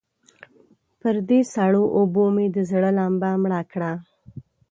پر دې سړو اوبو مې د زړه لمبه مړه کړه.